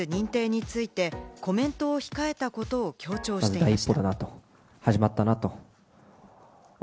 一方で事実認定についてコメントを控えたことを強調していました。